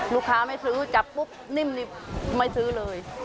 ลูกค้าไม่ซื้อจับปุ๊บนิ่มนี่ไม่ซื้อเลย